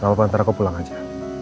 gak apa apa nanti aku pulang aja